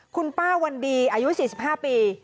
คุณป้าวันดีอายุ๔๕ปี